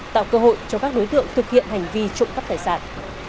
tạo cơ hội cho các đối tượng thực hiện hành vi trụng cấp tài sản